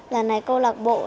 giờ này cô lạc bộ